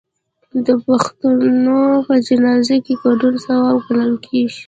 د پښتنو په جنازه کې ګډون ثواب ګڼل کیږي.